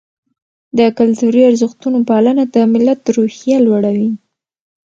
د کلتوري ارزښتونو پالنه د ملت روحیه لوړوي.